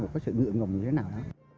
có sự ngựa ngùng như thế nào